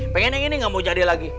pengennya ini gak mau jadi lagi